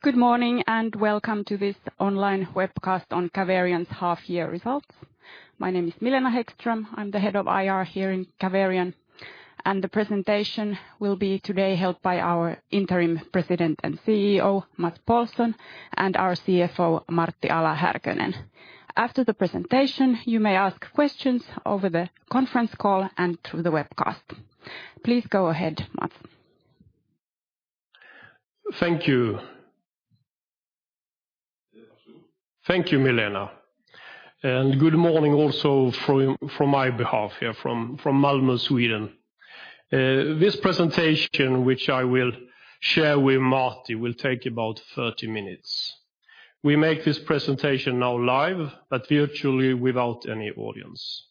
Good morning, welcome to this online webcast on Caverion's half-year results. My name is Milena Hæggström. I'm the Head of Investor Relation here in Caverion, and the presentation will be today held by our Interim President and Chief Executive Officer, Mats Paulsson, and our Chief Financial Officer, Martti Ala-Härkönen. After the presentation, you may ask questions over the conference call and through the webcast, please go ahead, Mats. Thank you. Thank you, Milena. Good morning also from my behalf here from Malmö, Sweden. This presentation, which I will share with Martti, will take about 30 minutes. We make this presentation now live, virtually without any audience.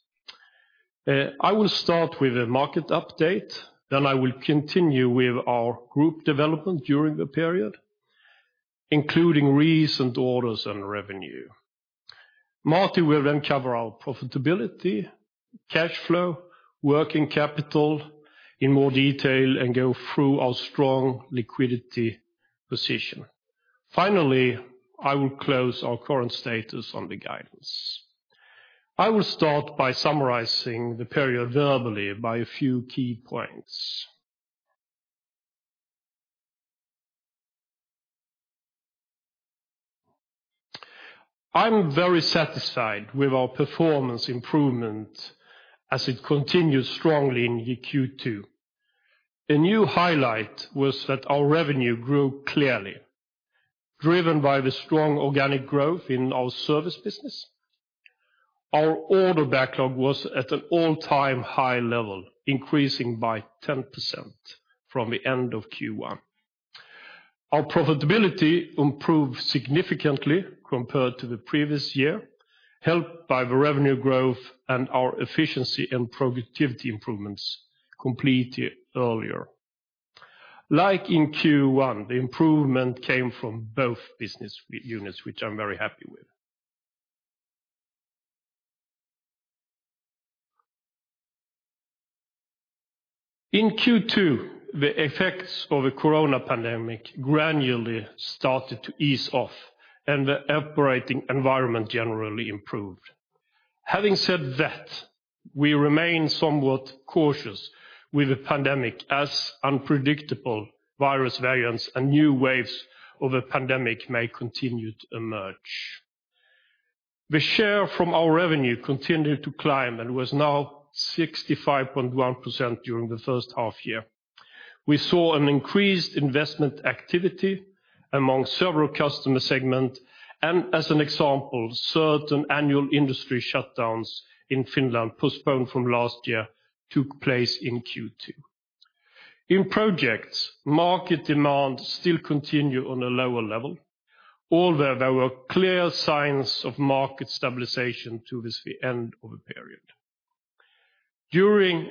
I will start with a market update. I will continue with our group development during the period, including recent orders and revenue. Martti will cover our profitability, cash flow, working capital in more detail, go through our strong liquidity position. Finally, I will close our current status on the guidance. I will start by summarizing the period verbally by a few key points. I'm very satisfied with our performance improvement as it continues strongly in Q2. A new highlight was that our revenue grew clearly, driven by the strong organic growth in our service business. Our order backlog was at an all-time high level, increasing by 10% from the end of Q1. Our profitability improved significantly compared to the previous year, helped by the revenue growth and our efficiency and productivity improvements completed earlier. Like in Q1, the improvement came from both business units, which I'm very happy with. In Q2, the effects of the coronavirus pandemic gradually started to ease off and the operating environment generally improved. Having said that, we remain somewhat cautious with the pandemic, as unpredictable virus variants and new waves of the pandemic may continue to emerge. The share from our revenue continued to climb and was now 65.1% during the first half-year. We saw an increased investment activity among several customer segments, and as an example, certain annual industry shutdowns in Finland postponed from last year took place in Q2. In projects, market demand still continue on a lower level, although there were clear signs of market stabilization towards the end of the period. During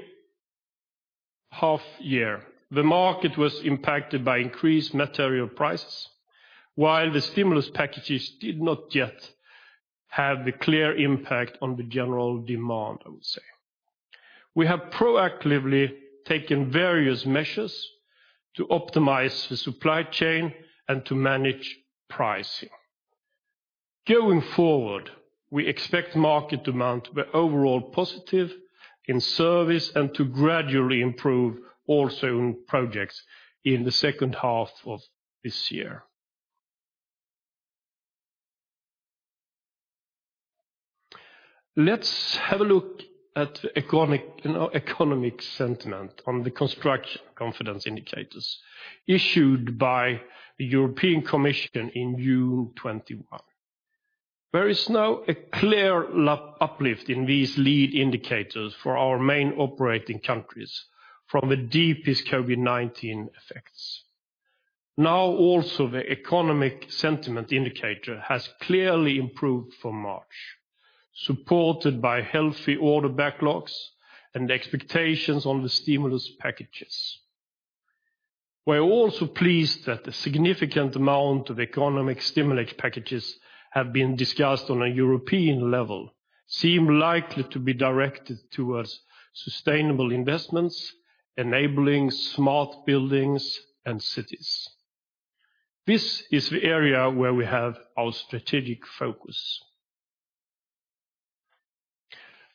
half-year, the market was impacted by increased material prices, while the stimulus packages did not yet have the clear impact on the general demand, I would say. We have proactively taken various measures to optimize the supply chain and to manage pricing. Going forward, we expect market demand to be overall positive in service and to gradually improve also in projects in the second half of this year. Let's have a look at economic sentiment on the construction confidence indicators issued by the European Commission in June 2021. There is now a clear uplift in these lead indicators for our main operating countries from the deepest COVID-19 effects. Now also the economic sentiment indicator has clearly improved from March, supported by healthy order backlogs and expectations on the stimulus packages. We are also pleased that the significant amount of economic stimulus packages have been discussed on a European level seem likely to be directed towards sustainable investments, enabling smart buildings and cities. This is the area where we have our strategic focus.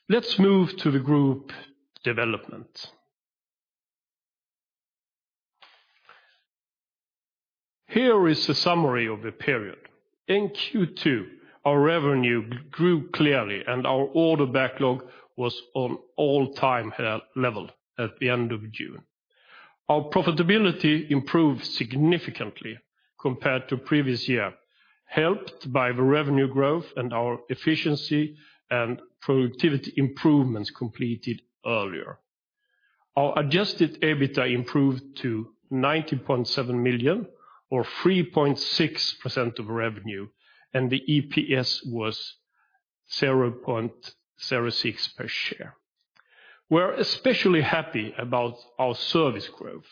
Let's move to the group development. Here is a summary of the period. In Q2, our revenue grew clearly, and our order backlog was on all-time high level at the end of June. Our profitability improved significantly compared to previous year, helped by the revenue growth and our efficiency and productivity improvements completed earlier. Our adjusted EBITDA improved to 90.7 million, or 3.6% of revenue, the EPS was 0.06 per share. We are especially happy about our service growth.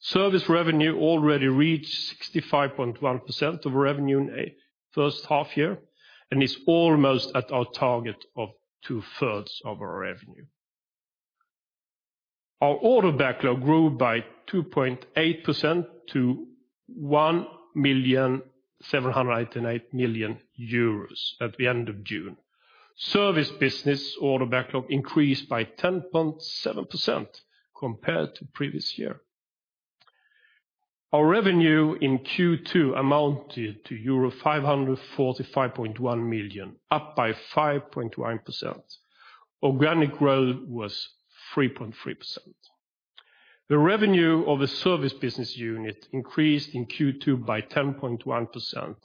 Service revenue already reached 65.1% of revenue in the first half year, and is almost at our target of 2/3 of our revenue. Our order backlog grew by 2.8% to 1.789 million at the end of June. Service business order backlog increased by 10.7% compared to previous year. Our revenue in Q2 amounted to euro 545.1 million, up by 5.1%. Organic growth was 3.3%. The revenue of the service business unit increased in Q2 by 10.1%,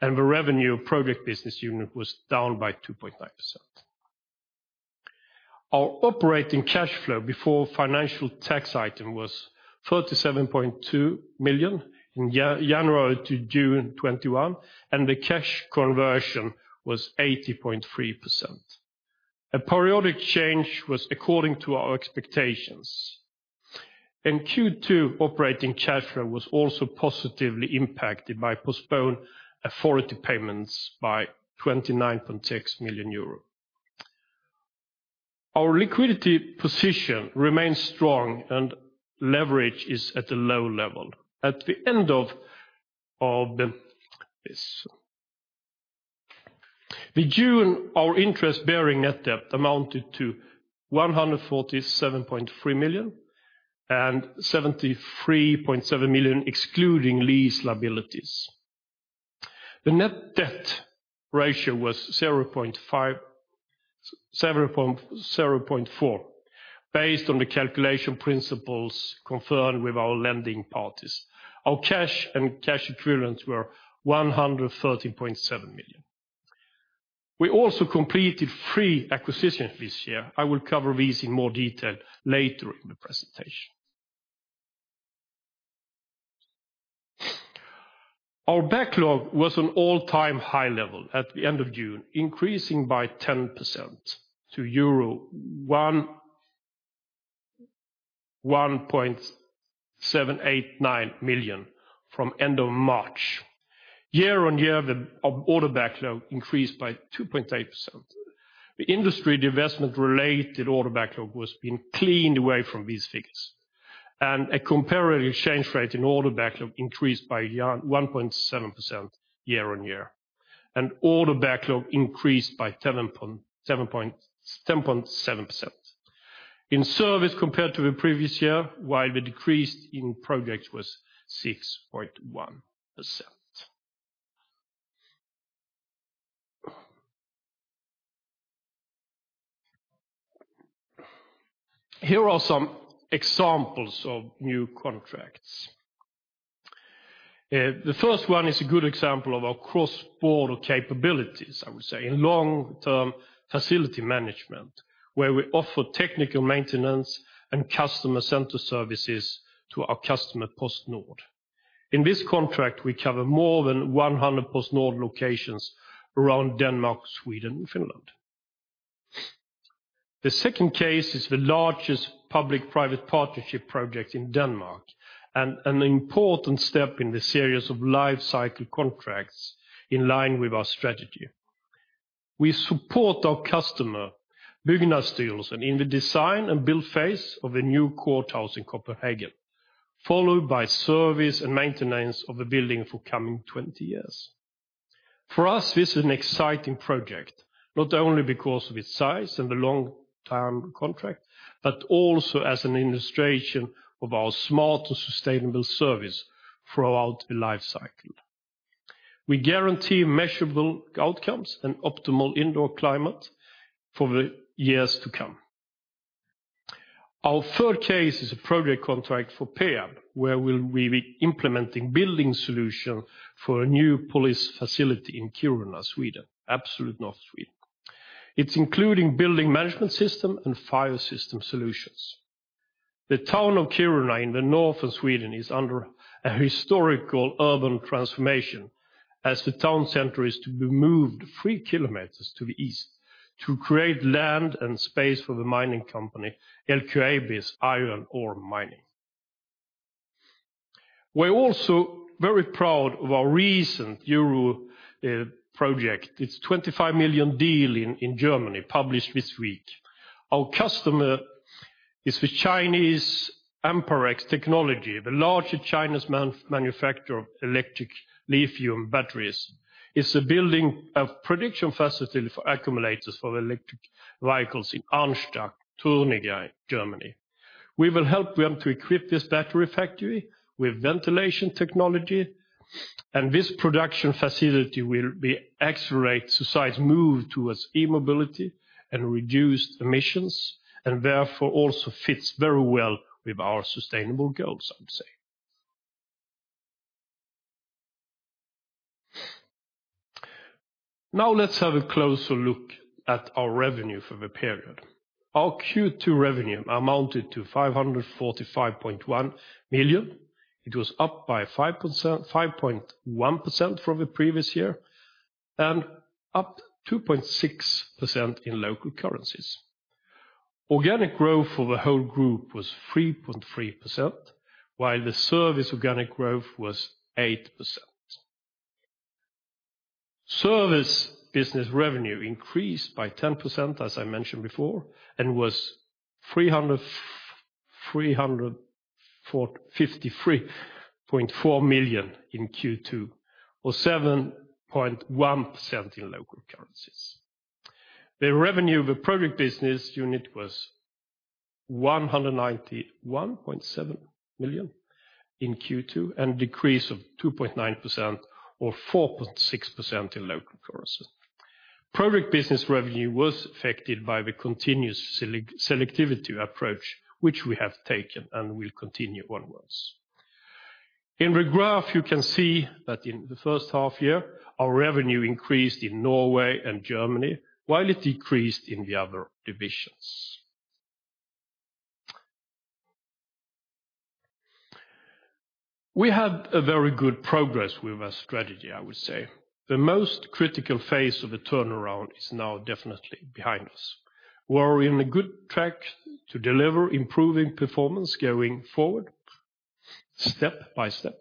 and the revenue project business unit was down by 2.9%. Our operating cash flow before financial tax item was 37.2 million in January to June 2021, and the cash conversion was 80.3%. A periodic change was according to our expectations. In Q2, operating cash flow was also positively impacted by postponed authority payments by 29.6 million euro. Our liquidity position remains strong and leverage is at a low level. At the end of June, our interest-bearing net debt amounted to 147.3 million and 73.7 million excluding lease liabilities. The net debt ratio was 0.4, based on the calculation principles confirmed with our lending parties. Our cash and cash equivalents were 113.7 million. We also completed three acquisitions this year. I will cover these in more detail later in the presentation. Our backlog was an all-time high level at the end of June, increasing by 10% to euro 1.789 million from end of March. The industry divestment-related order backlog has been cleaned away from these figures. Year-on-year, our order backlog increased by 2.8%. A comparative exchange rate in order backlog increased by 1.7% year-on-year, and order backlog increased by 10.7%. In service compared to the previous year, while the decrease in projects was 6.1%. Here are some examples of new contracts. The first one is a good example of our cross-border capabilities, I would say, in long-term facility management, where we offer technical maintenance and customer center services to our customer, PostNord. In this contract, we cover more than 100 PostNord locations around Denmark, Sweden, and Finland. The second case is the largest public-private partnership (PPP) project in Denmark and an important step in the series of life cycle contracts in line with our strategy. We support our customer, Bygningsstyrelsen, in the design and build phase of a new courthouse in Copenhagen, followed by service and maintenance of the building for coming 20 years. For us, this is an exciting project, not only because of its size and the long-term contract, but also as an illustration of our smart and sustainable service throughout the life cycle. We guarantee measurable outcomes and optimal indoor climate for the years to come. Our third case is a project contract for Peab, where we'll be implementing building solution for a new police facility in Kiruna, Sweden, absolute north Sweden. It's including building management system and fire system solutions. The town of Kiruna in the north of Sweden is under a historical urban transformation as the town center is to be moved 3 km to the east to create land and space for the mining company, LKAB's iron ore mining. We're also very proud of our recent Euro project. It's a 25 million deal in Germany, published this week. Our customer is Contemporary Amperex Technology, the largest Chinese manufacturer of electric lithium batteries, is building a production facility for accumulators for electric vehicles in Arnstadt, Thuringia, Germany. We will help them to equip this battery factory with ventilation technology. This production facility will accelerate society's move towards e-mobility and reduced emissions, therefore, also fits very well with our sustainable goals, I would say. Now let's have a closer look at our revenue for the period. Our Q2 revenue amounted to 545.1 million. It was up by 5.1% from the previous year, up 2.6% in local currencies. Organic growth for the whole group was 3.3%, while the service organic growth was 8%. Service business revenue increased by 10%, as I mentioned before, was 353.4 million in Q2, or 7.1% in local currencies. The revenue of the Project business unit was 191.7 million in Q2, and decrease of 2.9%, or 4.6% in local currency. Project business revenue was affected by the continuous selectivity approach, which we have taken and will continue onwards. In the graph, you can see that in the first half year, our revenue increased in Norway and Germany, while it decreased in the other divisions. We had a very good progress with our strategy, I would say. The most critical phase of the turnaround is now definitely behind us. We are on a good track to deliver improving performance going forward, step by step.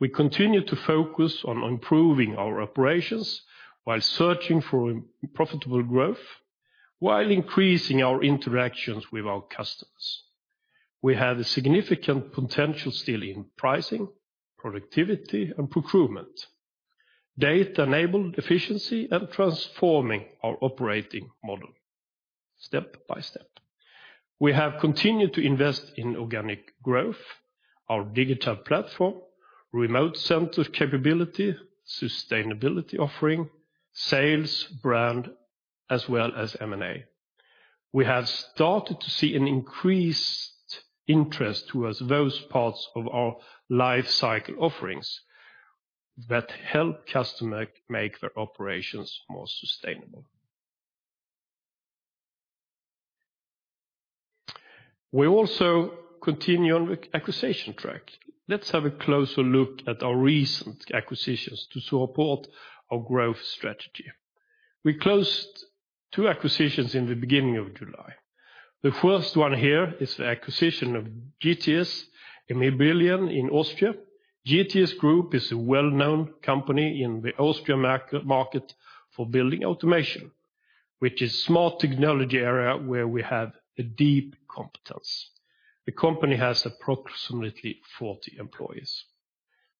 We continue to focus on improving our operations while searching for profitable growth, while increasing our interactions with our customers. We have a significant potential still in pricing, productivity, and procurement, data-enabled efficiency, and transforming our operating model step by step. We have continued to invest in organic growth, our digital platform, remote center capability, sustainability offering, sales brand, as well as M&A. We have started to see an increased interest towards those parts of our life cycle offerings that help customer make their operations more sustainable. We also continue on the acquisition track. Let's have a closer look at our recent acquisitions to support our growth strategy. We closed two acquisitions in the beginning of July. The first one here is the acquisition of GTS Immobilien in Austria. GTS Group is a well-known company in the Austrian market for building automation, which is small technology area where we have a deep competence. The company has approximately 40 employees.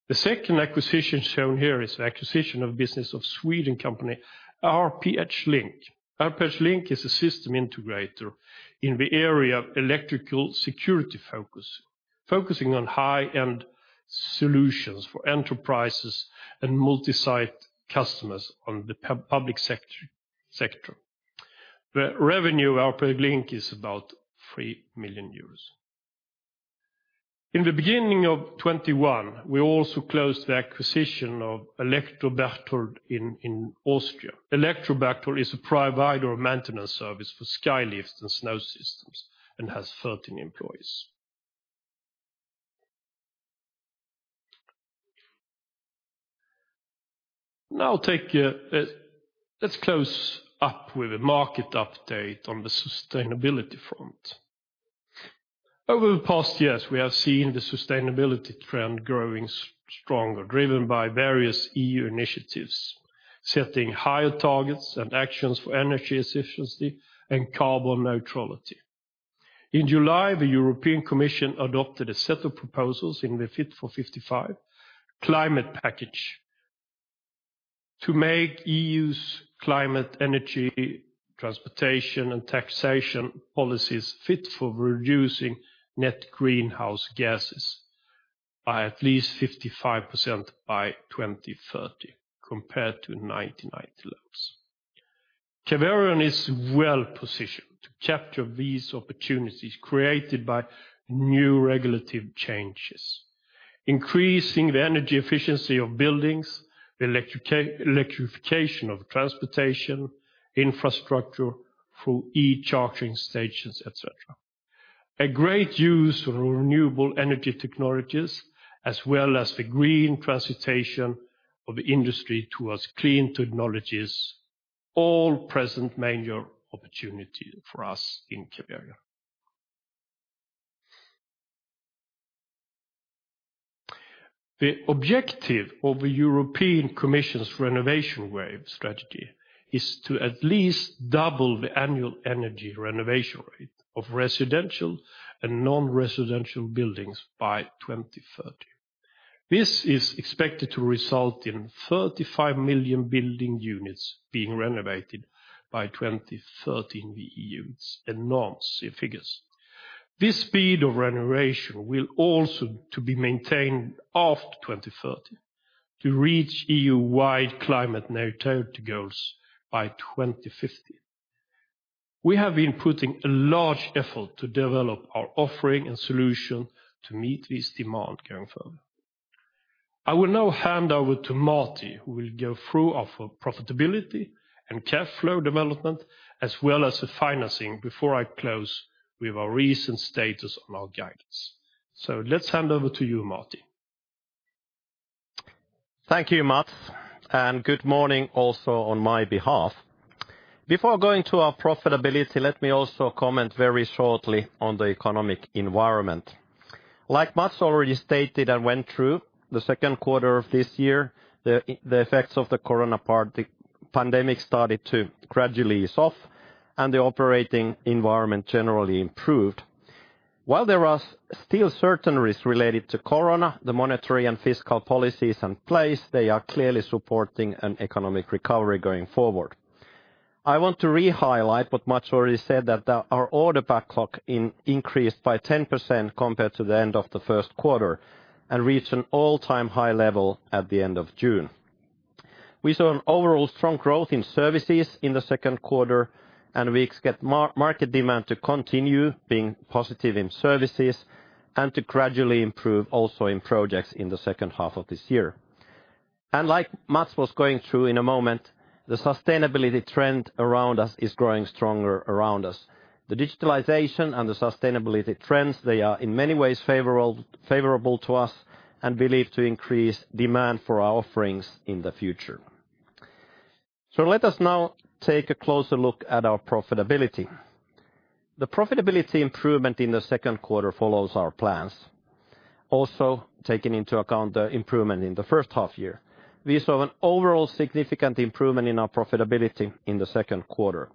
The second acquisition shown here is the acquisition of business of Sweden company, RPH Linc. RPH Linc is a system integrator in the area of electrical security focus, focusing on high-end solutions for enterprises and multi-site customers on the public sector. The revenue of RPH Linc is about 3 million euros. In the beginning of 2021, we also closed the acquisition of Elektro-Berthold in Austria. Elektro-Berthold is a provider of maintenance service for ski lifts and snow systems, and has 13 employees. Now, let's close up with a market update on the sustainability front. Over the past years, we have seen the sustainability trend growing stronger, driven by various EU initiatives, setting higher targets and actions for energy efficiency and carbon neutrality. In July, the European Commission adopted a set of proposals in the Fit for 55 climate package to make EU's climate, energy, transportation, and taxation policies fit for reducing net greenhouse gases by at least 55% by 2030, compared to 1990 lows. Caverion is well-positioned to capture these opportunities created by new regulative changes, increasing the energy efficiency of buildings, the electrification of transportation, infrastructure through e-charging stations, et cetera. A great use for renewable energy technologies, as well as the green transformation of the industry towards clean technologies, all present major opportunity for us in Caverion. The objective of the European Commission's Renovation Wave strategy is to at least double the annual energy renovation rate of residential and non-residential buildings by 2030. This is expected to result in 35 million building units being renovated by 2030 in the EU. It's enormous figures. This speed of renovation will also to be maintained after 2030 to reach EU-wide climate neutrality goals by 2050. We have been putting a large effort to develop our offering and solution to meet this demand going forward. I will now hand over to Martti, who will go through our profitability and cash flow development, as well as the financing, before I close with our recent status on our guidance. Let's hand over to you, Martti. Thank you, Mats, and good morning also on my behalf. Before going to our profitability, let me also comment very shortly on the economic environment. Like Mats already stated and went through, the second quarter of this year, the effects of the coronavirus pandemic started to gradually ease off and the operating environment generally improved. While there are still certain risks related to corona, the monetary and fiscal policies in place, they are clearly supporting an economic recovery going forward. I want to re-highlight what Mats already said, that our order backlog increased by 10% compared to the end of the first quarter and reached an all-time high level at the end of June. We saw an overall strong growth in services in the second quarter, we expect market demand to continue being positive in services and to gradually improve also in projects in the second half of this year. Like Mats was going through in a moment, the sustainability trend around us is growing stronger around us. The digitalization and the sustainability trends, they are in many ways favorable to us and believed to increase demand for our offerings in the future. Let us now take a closer look at our profitability. The profitability improvement in the second quarter follows our plans. Also, taking into account the improvement in the first half-year, we saw an overall significant improvement in our profitability in the second quarter.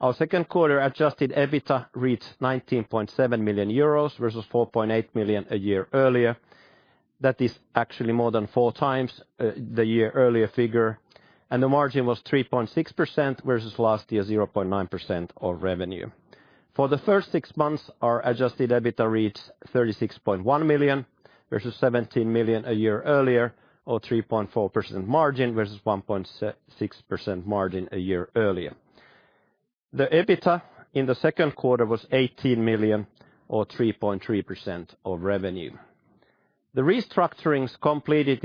Our second quarter adjusted EBITDA reached 19.7 million euros, versus 4.8 million a year earlier. That is actually more than 4x the year-earlier figure, and the margin was 3.6% versus last year, 0.9% of revenue. For the first six months, our adjusted EBITDA reached 36.1 million, versus 17 million a year-earlier, or 3.4% margin versus 1.6% margin a year-earlier. The EBITDA in the second quarter was 18 million, or 3.3% of revenue. The restructurings completed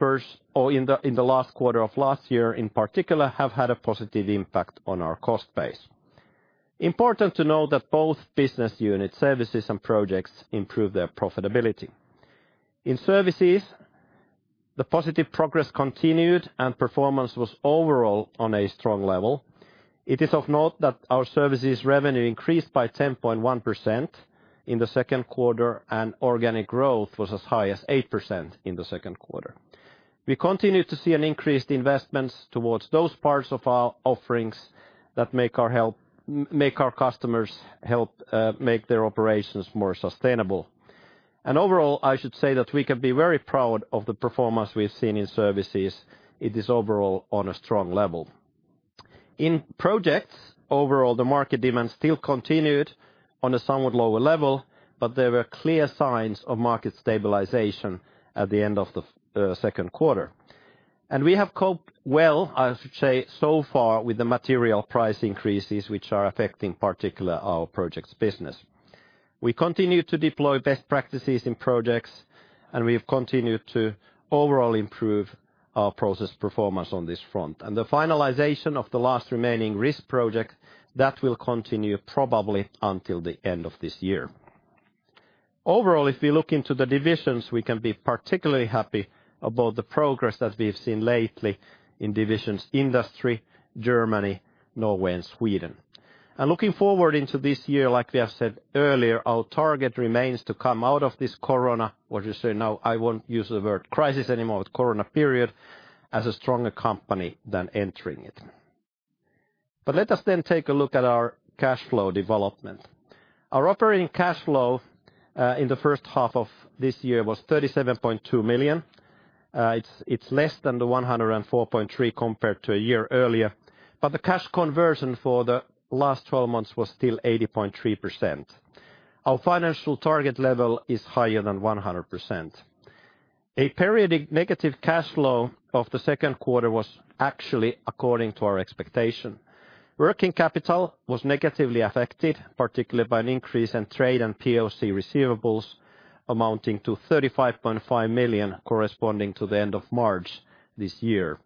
in the last quarter of last year, in particular, have had a positive impact on our cost base. Important to note that both business unit services and projects improved their profitability. In services, the positive progress continued, and performance was overall on a strong level. It is of note that our services revenue increased by 10.1% in the second quarter, and organic growth was as high as 8% in the second quarter. We continue to see an increased investments towards those parts of our offerings that make our customers' health, make their operations more sustainable. Overall, I should say that we can be very proud of the performance we've seen in services. It is overall on a strong level. In projects, overall, the market demand still continued on a somewhat lower level, there were clear signs of market stabilization at the end of the second quarter. We have coped well, I should say, so far, with the material price increases, which are affecting particularly our projects business. We continue to deploy best practices in projects, we have continued to overall improve our process performance on this front. The finalization of the last remaining risk project, that will continue probably until the end of this year. If we look into the divisions, we can be particularly happy about the progress that we've seen lately in divisions Industry, Germany, Norway, and Sweden. Looking forward into this year, like we have said earlier, our target remains to come out of this corona, what you say now, I won't use the word crisis anymore, but corona period, as a stronger company than entering it. Let us take a look at our cash flow development. Our operating cash flow in the first half of this year was 37.2 million. It's less than 104.3 compared to a year earlier, the cash conversion for the last 12-months was still 80.3%. Our financial target level is higher than 100%. A periodic negative cash flow of the second quarter was actually according to our expectation. Working capital was negatively affected, particularly by an increase in trade and POC receivables amounting to 35.5 million corresponding to the end of March this year.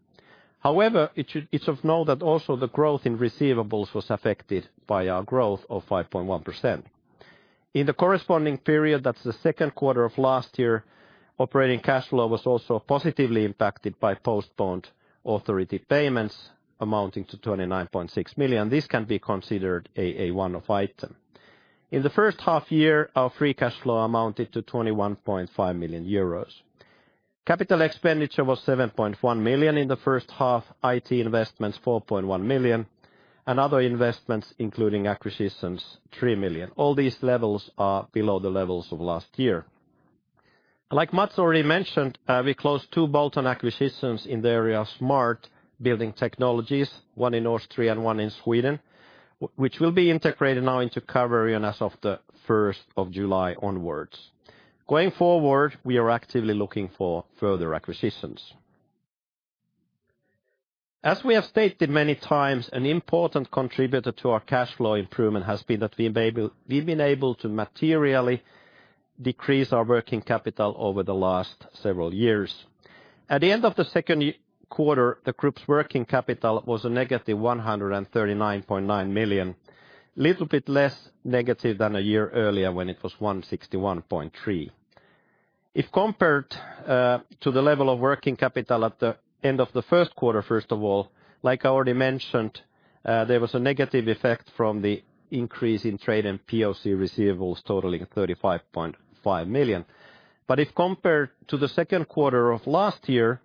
It's of note that also the growth in receivables was affected by our growth of 5.1%. In the corresponding period, that's the second quarter of last year, operating cash flow was also positively impacted by postponed authority payments amounting to 29.6 million. This can be considered a one-off item. In the first half year, our free cash flow amounted to 21.5 million euros. Capital expenditure was 7.1 million in the first half, IT investments 4.1 million, and other investments including acquisitions, 3 million. All these levels are below the levels of last year. Like Mats already mentioned, we closed two bolt-on acquisitions in the area of smart building technologies, one in Austria and one in Sweden, which will be integrated now into Caverion as of the 1st of July onwards. Going forward, we are actively looking for further acquisitions. As we have stated many times, an important contributor to our cash flow improvement has been that we've been able to materially decrease our working capital over the last several years. At the end of the second quarter, the group's working capital was a -139.9 million. Little bit less negative than a year earlier when it was 161.3 million. If compared to the level of working capital at the end of the first quarter, first of all, like I already mentioned, there was a negative effect from the increase in trade and POC receivables totaling 35.5 million. If compared to the second quarter of last year,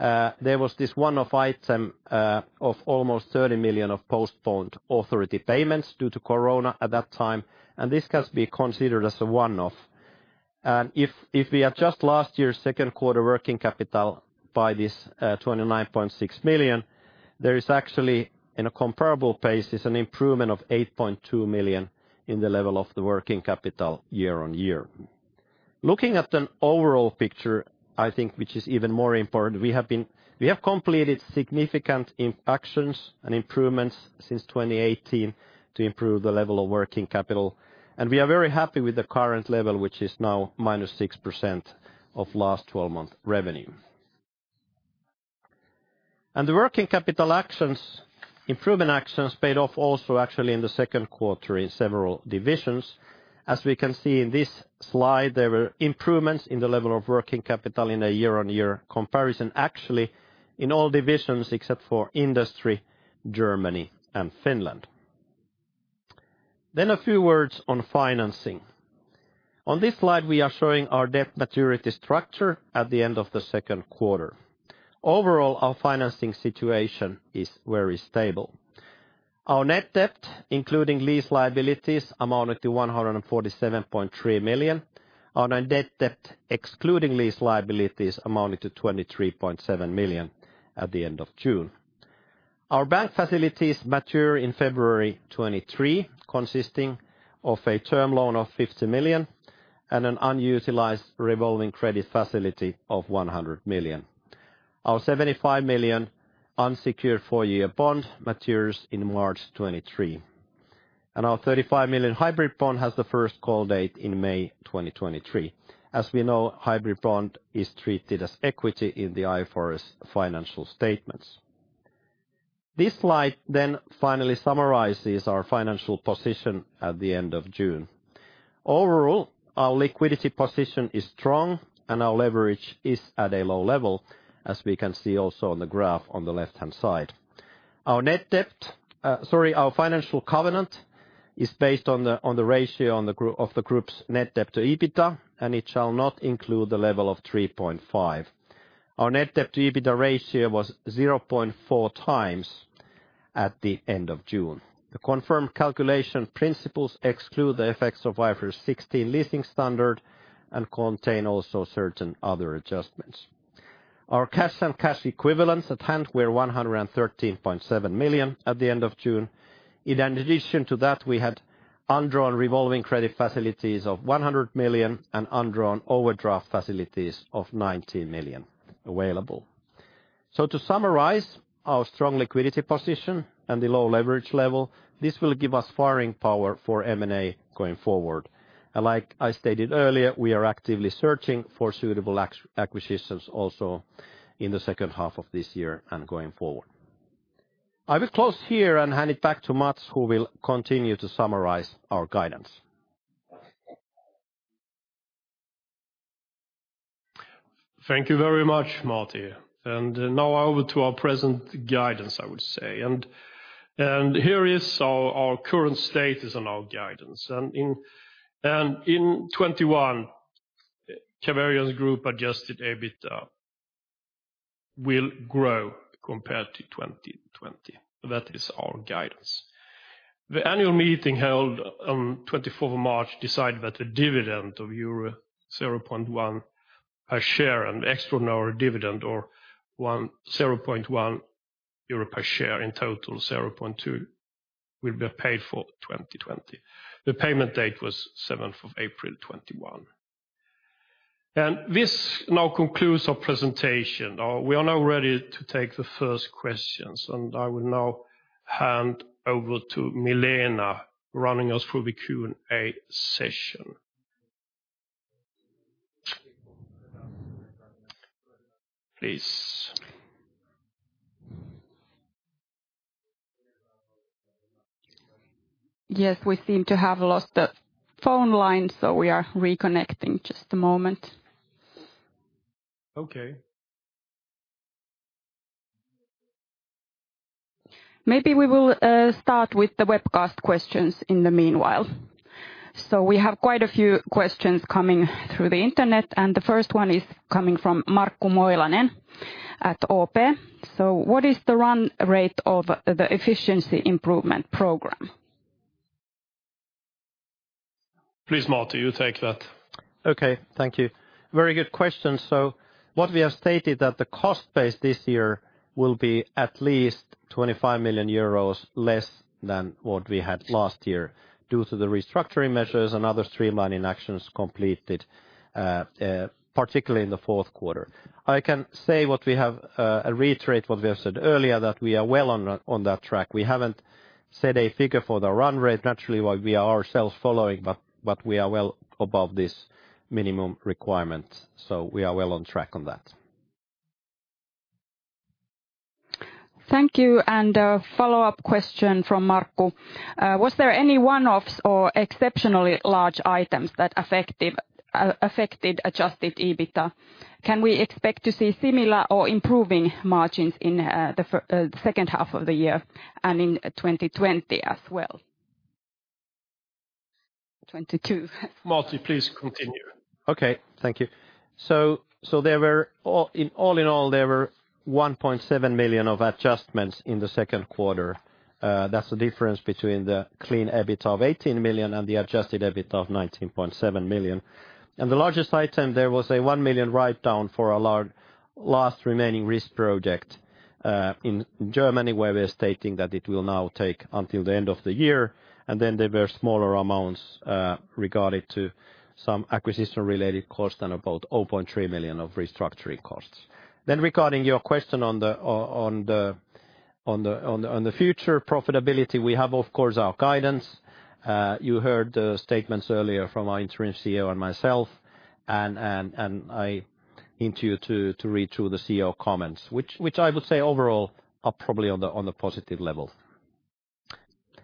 there was this one-off item of almost 30 million of postponed authority payments due to COVID-19 at that time, and this can be considered as a one-off. If we adjust last year's second quarter working capital by this 29.6 million, there is actually, in a comparable pace, is an improvement of 8.2 million in the level of the working capital year-on-year. Looking at an overall picture, I think, which is even more important, we have completed significant actions and improvements since 2018 to improve the level of working capital, and we are very happy with the current level, which is now -6% of last 12-month revenue. The working capital actions, improvement actions, paid off also actually in the second quarter in several divisions. As we can see in this slide, there were improvements in the level of working capital in a year-on-year comparison actually in all divisions except for Industry, Germany, and Finland. A few words on financing. On this slide, we are showing our debt maturity structure at the end of the second quarter. Overall, our financing situation is very stable. Our net debt, including lease liabilities, amounted to 147.3 million. Our net debt, excluding lease liabilities, amounted to 23.7 million at the end of June. Our bank facilities mature in February 2023, consisting of a term loan of 50 million and an unutilized revolving credit facility of 100 million. Our 75 million unsecured four-year bond matures in March 2023, and our 35 million hybrid bond has the first call date in May 2023. As we know, hybrid bond is treated as equity in the IFRS financial statements. This slide finally summarizes our financial position at the end of June. Overall, our liquidity position is strong and our leverage is at a low level, as we can see also on the graph on the left-hand side. Our financial covenant is based on the ratio of the group's net debt to EBITDA, and it shall not include the level of 3.5. Our net debt to EBITDA ratio was 0.4x at the end of June. The confirmed calculation principles exclude the effects of IFRS 16 leasing standard and contain also certain other adjustments. Our cash and cash equivalents at hand were 113.7 million at the end of June. In addition to that, we had undrawn revolving credit facilities of 100 million and undrawn overdraft facilities of 19 million available. To summarize our strong liquidity position and the low leverage level, this will give us firing power for M&A going forward. Like I stated earlier, we are actively searching for suitable acquisitions also in the second half of this year and going forward. I will close here and hand it back to Mats who will continue to summarize our guidance. Thank you very much, Martti. Now over to our present guidance, I would say. Here is our current status on our guidance. In 2021, Caverion Group adjusted EBITDA will grow compared to 2020. That is our guidance. The Annual Meeting held on 24th of March decided that a dividend of euro 0.1 per share, an extraordinary dividend or 0.1 euro per share, in total 0.2, will be paid for 2020. The payment date was 7th of April 2021. This now concludes our presentation. We are now ready to take the first questions. I will now hand over to Milena, running us through the Q&A session. Please. Yes, we seem to have lost the phone line, so we are reconnecting. Just a moment. Okay. Maybe we will start with the webcast questions in the meanwhile. We have quite a few questions coming through the internet, and the first one is coming from Markku Moilanen at OP. What is the run rate of the efficiency improvement program? Please, Martti, you take that. Okay. Thank you. Very good question. What we have stated that the cost base this year will be at least 25 million euros less than what we had last year due to the restructuring measures and other streamlining actions completed, particularly in the fourth quarter. I can say reiterate what we have said earlier, that we are well on that track. We haven't set a figure for the run rate. Naturally what we are ourselves following, but we are well above this minimum requirement, so we are well on track on that. Thank you. A follow-up question from Markku. Was there any one-offs or exceptionally large items that affected adjusted EBITDA? Can we expect to see similar or improving margins in the second half of the year, and in 2020 as well? 2022. Martti, please continue. Okay. Thank you. All in all, there were 1.7 million of adjustments in the second quarter. That's the difference between the clean EBIT of 18 million and the adjusted EBIT of 19.7 million. The largest item there was a 1 million write-down for our last remaining risk project, in Germany, where we're stating that it will now take until the end of the year, and then there were smaller amounts, regarding to some acquisition-related costs and about 0.3 million of restructuring costs. Regarding your question on the future profitability, we have, of course, our guidance. You heard the statements earlier from our Interim Chief Executive Officer and myself, and I hint you to read through the Chief Executive Officer comments, which I would say overall are probably on the positive level.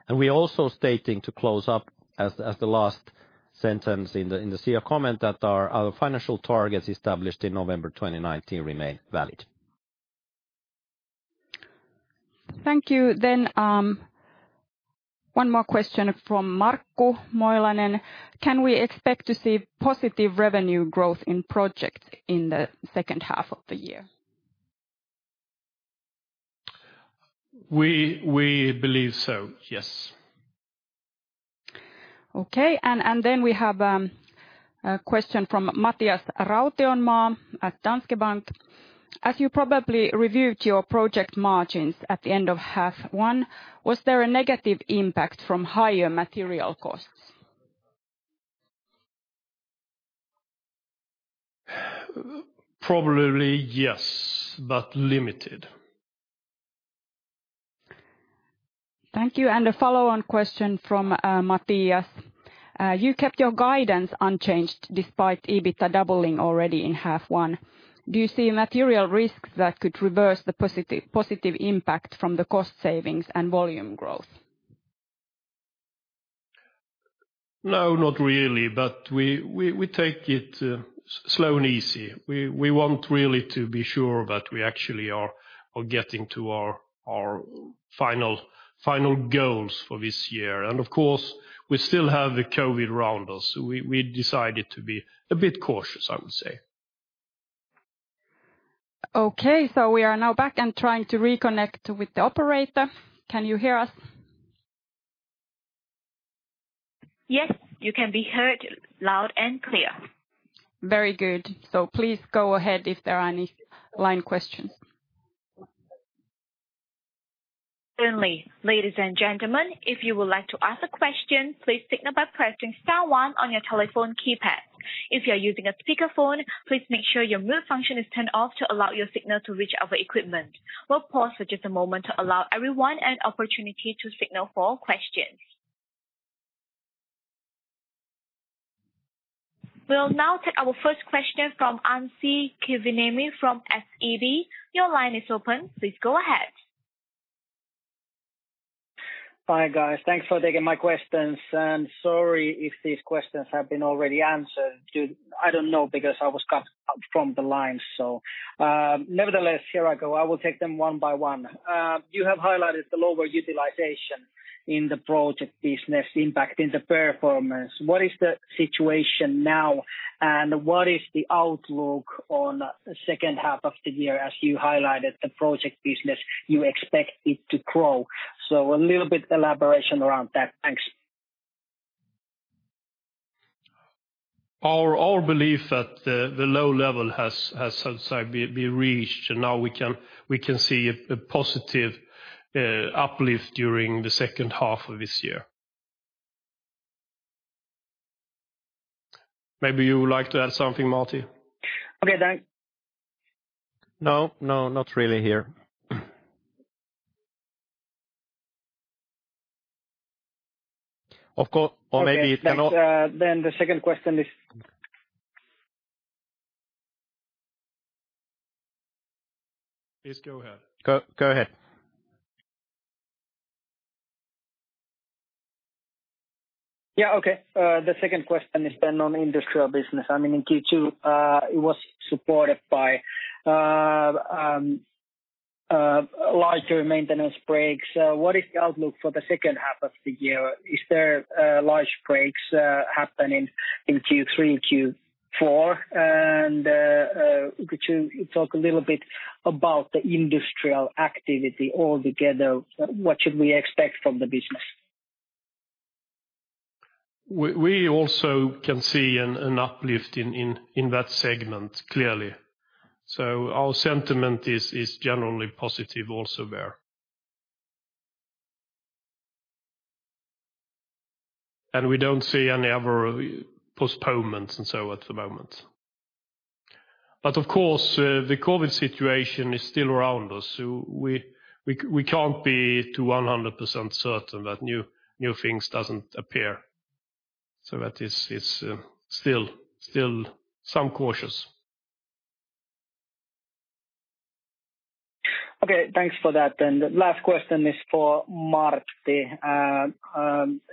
We're also stating to close up as the last sentence in the Chief Executive Officer comment that our financial targets established in November 2019 remain valid. Thank you. One more question from Markku Moilanen. Can we expect to see positive revenue growth in projects in the second half of the year? We believe so, yes. Okay. We have a question from Matias Rautionmaa at Danske Bank. As you probably reviewed your project margins at the end of half one, was there a negative impact from higher material costs? Probably yes, but limited. Thank you. A follow-on question from Matias. You kept your guidance unchanged despite EBITDA doubling already in half one. Do you see material risks that could reverse the positive impact from the cost savings and volume growth? No, not really, but we take it slow and easy. We want really to be sure that we actually are getting to our final goals for this year. Of course, we still have the COVID-19 around us, so we decided to be a bit cautious, I would say. Okay, we are now back and trying to reconnect with the operator. Can you hear us? Yes, you can be heard loud and clear. Very good. Please go ahead if there are any line questions. Certainly. Ladies and gentlemen, if you would like to ask a question, please signal by pressing star one on your telephone keypad. If you're using a speakerphone, please make sure your mute function is turned off to allow your signal to reach our equipment. We'll pause for just a moment to allow everyone an opportunity to signal for questions. We'll now take our first question from Anssi Kiviniemi from SEB. Your line is open. Please go ahead. Hi, guys. Thanks for taking my questions. Sorry if these questions have been already answered. I don't know because I was cut from the line. Nevertheless, here I go. I will take them one by one. You have highlighted the lower utilization in the project business impacting the performance. What is the situation now, and what is the outlook on the second half of the year as you highlighted the project business, you expect it to grow. A little bit elaboration around that. Thanks. Our belief that the low level has been reached, and now we can see a positive uplift during the second half of this year. Maybe you would like to add something, Martti? Okay, thanks. No, not really here. Okay. Thanks. The second question is. Is, go ahead. Go ahead. Yeah. Okay. The second question is on industrial business. In Q2, it was supported by larger maintenance breaks. What is the outlook for the second half of the year? Is there large breaks happening in Q3 and Q4? Could you talk a little bit about the industrial activity altogether? What should we expect from the business? We also can see an uplift in that segment, clearly. Our sentiment is generally positive also there. We don't see any other postponements and so at the moment. Of course, the COVID-19 situation is still around us, so we can't be to 100% certain that new things doesn't appear. That is still some cautious. Okay, thanks for that. The last question is for Martti.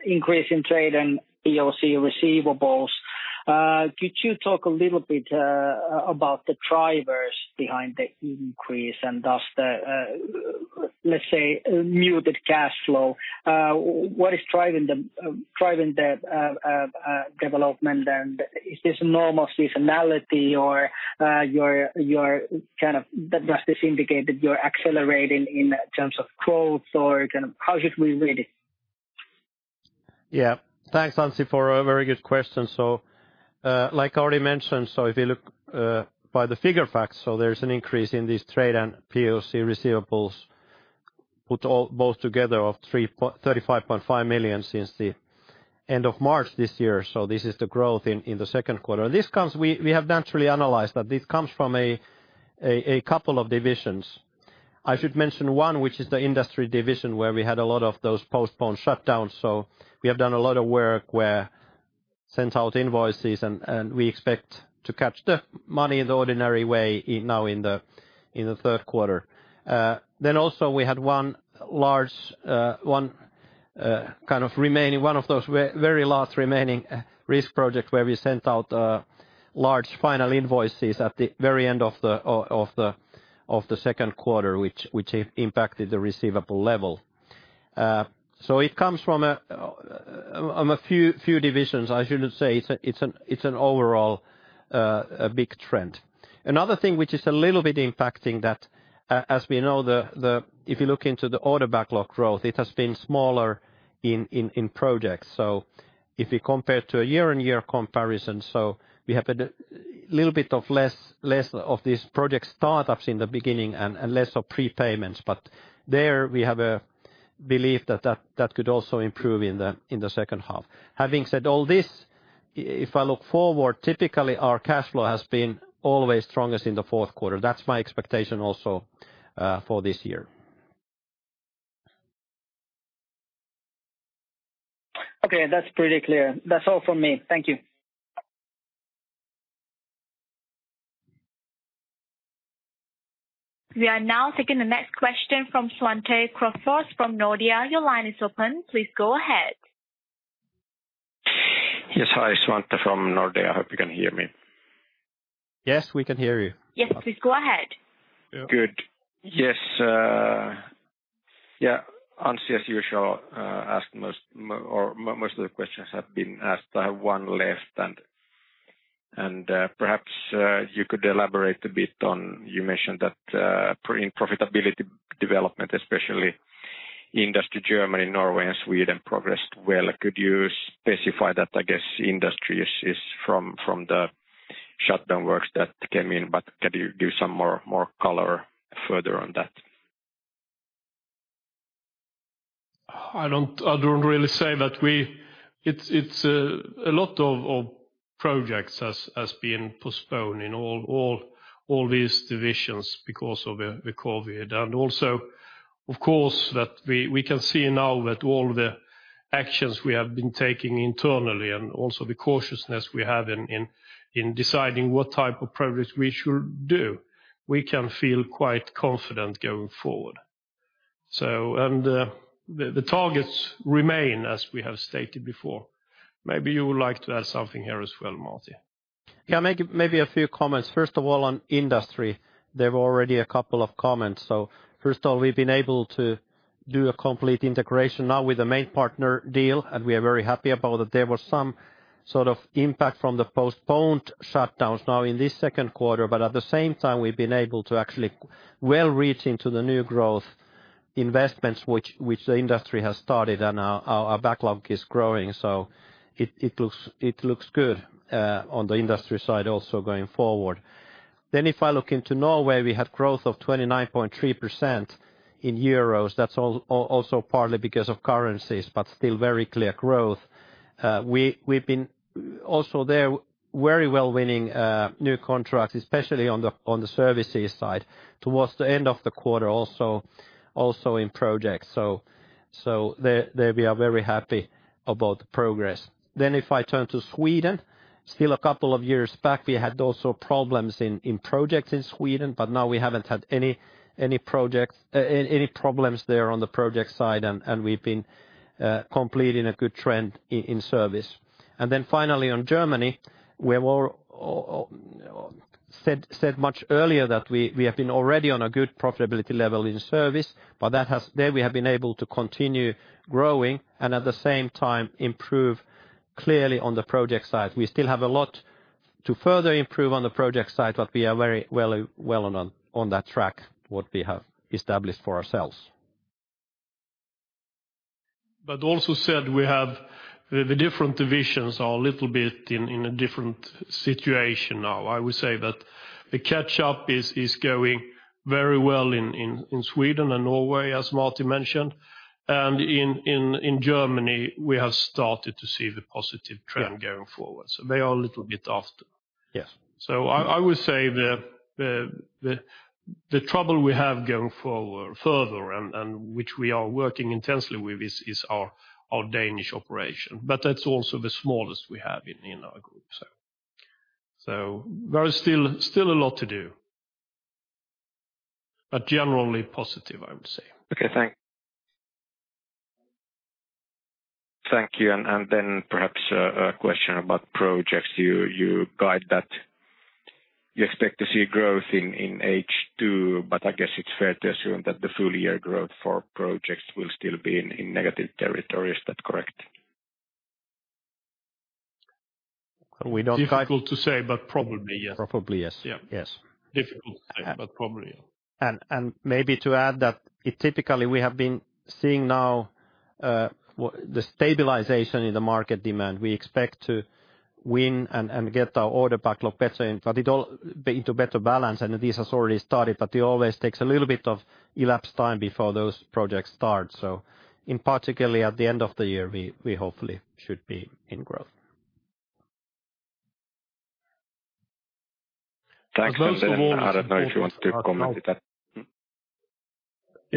Increase in trade and POC receivables. Could you talk a little bit about the drivers behind the increase and thus the, let's say, muted cash flow? What is driving the development, and is this normal seasonality or does this indicate that you're accelerating in terms of growth? Or how should we read it? Thanks, Anssi, for a very good question. Like I already mentioned, if you look by the figure facts, there's an increase in this trade and POC receivables put both together of 35.5 million since the end of March this year. This is the growth in the second quarter. We have naturally analyzed that this comes from a couple of divisions. I should mention one, which is the industry division, where we had a lot of those postponed shutdowns. We have done a lot of work where sent out invoices, and we expect to catch the money in the ordinary way now in the third quarter. Also we had one of those very last remaining risk projects where we sent out large final invoices at the very end of the second quarter, which impacted the receivable level. It comes from a few divisions. I shouldn't say it's an overall big trend. Another thing which is a little bit impacting that, as we know, if you look into the order backlog growth, it has been smaller in projects. If you compare to a year-on-year comparison, so we have a little bit of less of these project startups in the beginning and less of prepayments. There we have a belief that that could also improve in the second half. Having said all this, if I look forward, typically our cash flow has been always strongest in the fourth quarter. That's my expectation also for this year. Okay. That's pretty clear. That's all from me. Thank you. We are now taking the next question from Svante Krokfors from Nordea. Your line is open. Please go ahead. Yes. Hi, Svante from Nordea. I hope you can hear me. Yes, we can hear you. Yes, please go ahead. Good. Yes. Yeah, Anssi, as usual most of the questions have been asked. I have one left. Perhaps you could elaborate a bit on, you mentioned that in profitability development, especially Industry Germany, Norway, and Sweden progressed well. Could you specify that, I guess, industry is from the shutdown works that came in, but can you give some more color further on that? I don't really say that. It's a lot of projects has been postponed in all these divisions because of the COVID-19. Also, of course, that we can see now that all the actions we have been taking internally and also the cautiousness we have in deciding what type of progress we should do, we can feel quite confident going forward. The targets remain as we have stated before. Maybe you would like to add something here as well, Martti. Yeah, maybe a few comments. First of all, on Industry, there were already a couple of comments. First of all, we've been able to do a complete integration now with a Maintpartner deal, and we are very happy about that. There was some sort of impact from the postponed shutdowns now in this second quarter, but at the same time, we've been able to actually well reach into the new growth investments, which the industry has started, and our backlog is growing. It looks good on the Industry side also going forward. If I look into Norway, we had growth of 29.3% in EUR. That's also partly because of currencies, still very clear growth. We've been also there very well winning new contracts, especially on the services side towards the end of the quarter, also in projects. There we are very happy about the progress. If I turn to Sweden, still a couple of years back, we had also problems in project in Sweden, but now we haven't had any problems there on the project side, and we've been completing a good trend in service. Finally on Germany, we have all said much earlier that we have been already on a good profitability level in service, but there we have been able to continue growing and at the same time improve clearly on the project side. We still have a lot to further improve on the project side, but we are very well on that track, what we have established for ourselves. Also said we have the different divisions are a little bit in a different situation now. I would say that the catch up is going very well in Sweden and Norway, as Martti mentioned. In Germany, we have started to see the positive trend going forward. They are a little bit after. Yes. I would say the trouble we have going further, and which we are working intensely with, is our Danish operation, but that's also the smallest we have in our group. There is still a lot to do, but generally positive, I would say. Okay, thanks. Thank you. Perhaps a question about projects. You guide that you expect to see growth in H2, I guess it's fair to assume that the full-year growth for projects will still be in negative territory. Is that correct? We don't guide- Difficult to say, but probably, yes. Probably, yes. Yeah. Yes. Difficult to say, but probably, yeah. Maybe to add that, typically, we have been seeing now the stabilization in the market demand. We expect to win and get our order backlog better, but it all into better balance, and this has already started, but it always takes a little bit of elapsed time before those projects start. In particular at the end of the year, we hopefully should be in growth. Most importantly. Thanks. Mats, if you want to comment to that.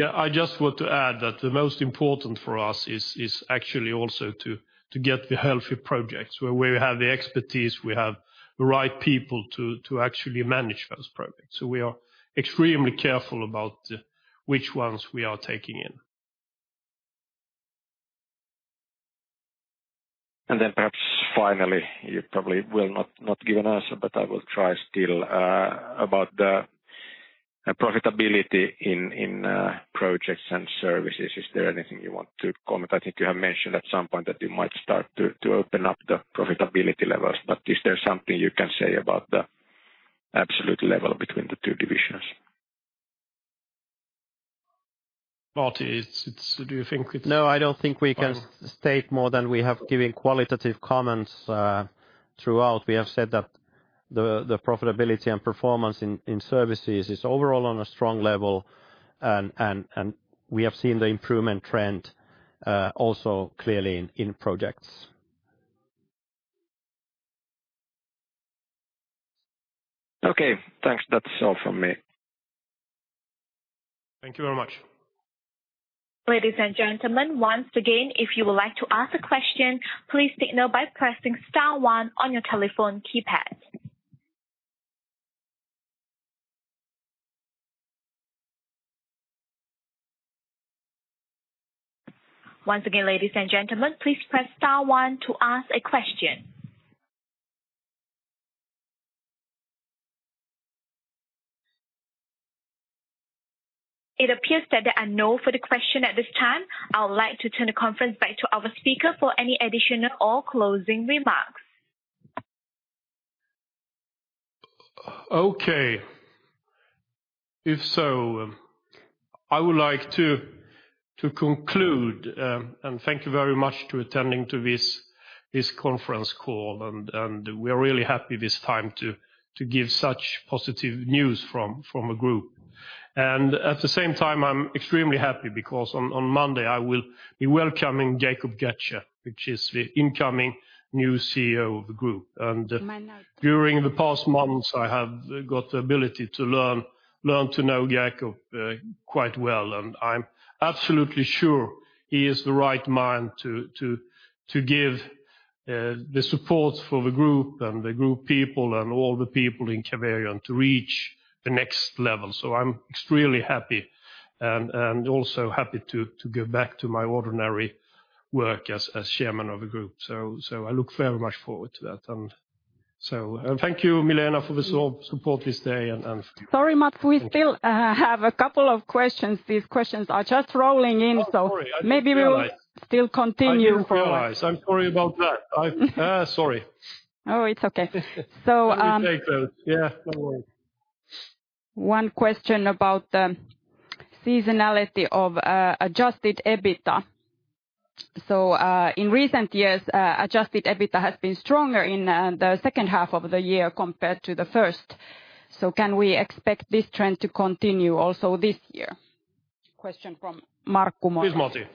I just want to add that the most important for us is actually also to get the healthy projects where we have the expertise, we have the right people to actually manage those projects. We are extremely careful about which ones we are taking in. Perhaps finally, you probably will not give an answer, but I will try still, about the profitability in projects and services. Is there anything you want to comment? I think you have mentioned at some point that you might start to open up the profitability levels, but is there something you can say about the absolute level between the two divisions? Martti, do you think? No, I don't think we can state more than we have given qualitative comments throughout. We have said that the profitability and performance in services is overall on a strong level, and we have seen the improvement trend, also clearly in projects. Okay, thanks. That's all from me. Thank you very much. Ladies and gentlemen, once again, if you would like to ask a question, please signal by pressing star one on your telephone keypad. Once again, ladies and gentlemen, please press star one to ask a question. It appears that there are none further question at this time. I would like to turn the conference back to our speaker for any additional or closing remarks. Okay. If so, I would like to conclude. Thank you very much to attending to this conference call. We are really happy this time to give such positive news from the group. At the same time, I'm extremely happy because on Monday, I will be welcoming Jacob Götzsche, which is the incoming new Chief Executive Officer of the group. During the past months, I have got the ability to learn to know Jacob quite well, and I'm absolutely sure he is the right man to give the support for the group and the group people and all the people in Caverion to reach the next level. I'm extremely happy and also happy to go back to my ordinary work as Chairman of the group. I look very much forward to that, and thank you, Milena, for the support this day. Sorry, Mats, we still have a couple of questions. These questions are just rolling in. Oh, sorry. I didn't realize. Maybe we'll still continue. I didn't realize. I'm sorry about that. Sorry. Oh, it's okay. You take those. No worries. One question about the seasonality of adjusted EBITDA. In recent years, adjusted EBITDA has been stronger in the second half of the year compared to the first. Can we expect this trend to continue also this year? Question from Markku Moilanen.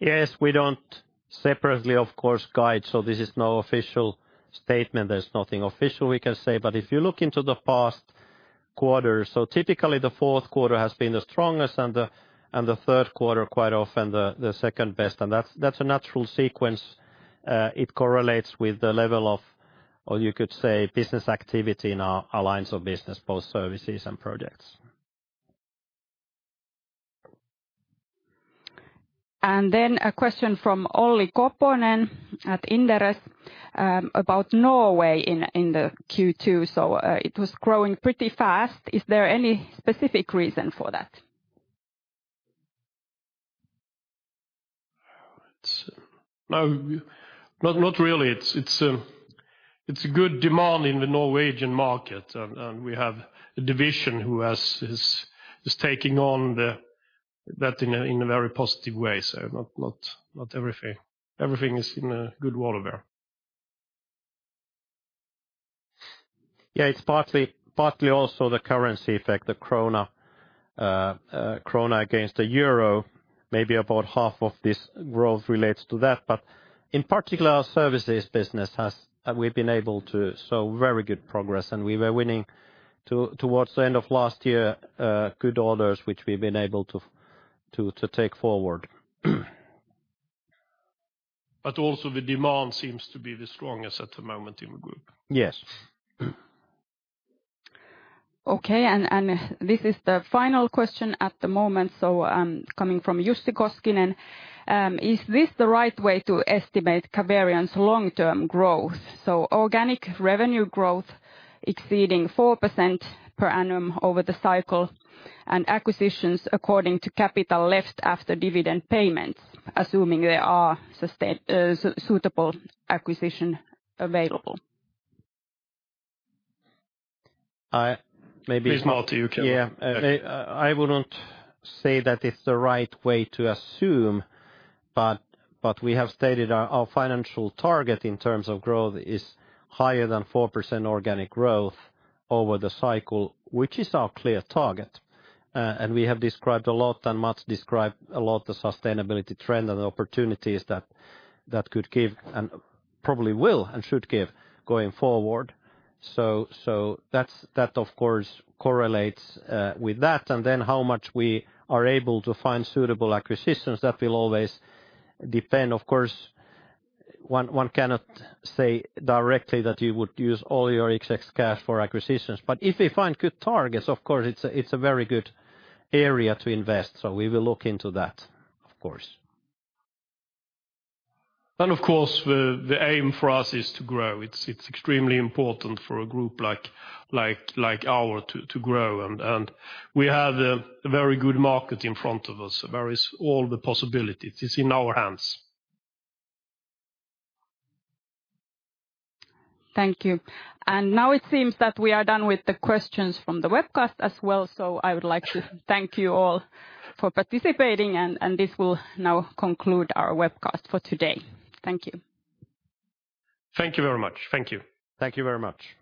Yes, Martti. We don't separately, of course, guide. This is no official statement. There's nothing official we can say. If you look into the past quarters, typically the fourth quarter has been the strongest and the third quarter quite often the second best. That's a natural sequence. It correlates with the level of business activity in our lines of business, both services and projects. A question from Olli Koponen at Inderes, about Norway in the Q2. It was growing pretty fast. Is there any specific reason for that? No, not really. It's a good demand in the Norwegian market, and we have a division who is taking on that in a very positive way. Not everything. Everything is in a good order there. Yeah. It's partly also the currency effect, the krona against the euro, maybe about half of this growth relates to that. In particular, our services business we've been able to show very good progress, and we were winning towards the end of last year good orders which we've been able to take forward. Also the demand seems to be the strongest at the moment in the group. Yes. This is the final question at the moment. Coming from Jussi Koskinen, is this the right way to estimate Caverion's long-term growth? Organic revenue growth exceeding 4% per annum over the cycle and acquisitions according to capital left after dividend payments, assuming there are suitable acquisition available. Please answer, you can. Yeah. I wouldn't say that it's the right way to assume, but we have stated our financial target in terms of growth is higher than 4% organic growth over the cycle, which is our clear target. We have described a lot, and Mats described a lot the sustainability trend and the opportunities that could give and probably will and should give going forward. That of course correlates with that, and then how much we are able to find suitable acquisitions, that will always depend. Of course, one cannot say directly that you would use all your excess cash for acquisitions. If we find good targets, of course, it's a very good area to invest. We will look into that, of course. Of course, the aim for us is to grow. It's extremely important for a group like ours to grow, and we have a very good market in front of us, all the possibilities is in our hands. Thank you. Now it seems that we are done with the questions from the webcast as well, so I would like to thank you all for participating, and this will now conclude our webcast for today. Thank you. Thank you very much. Thank you. Thank you very much.